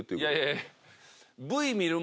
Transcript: いやいや。